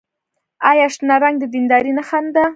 آیا شنه رنګ د دیندارۍ نښه نه ده؟